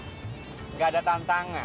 enggak ada tantangan